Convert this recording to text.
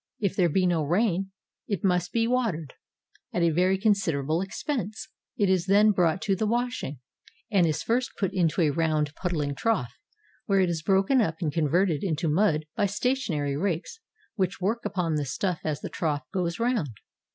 If there be no rain, it must be watered, — at a very considerable expense. It is then brought to the washing, and is first put into a round puddling trough, where it is broken up and converted into mud by stationary rakes which work upon the stuff as the trough goes round.